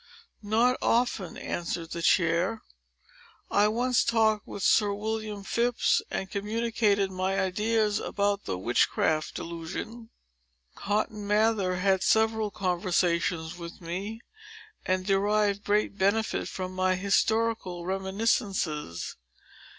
"Not often," answered the chair. "I once talked with Sir William Phips, and communicated my ideas about the witchcraft delusion. Cotton Mather had several conversations with me, and derived great benefit from my historical reminiscences.